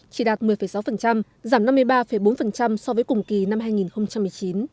chỉ đạt một mươi sáu giảm năm mươi ba bốn so với cùng kỳ năm hai nghìn một mươi chín